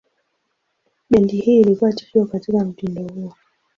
Bendi hii ilikuwa tishio katika mtindo huo.